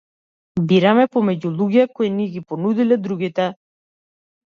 Бираме помеѓу луѓе кои ни ги понудиле другите.